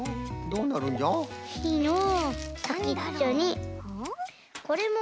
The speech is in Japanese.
どうなるんじゃろう？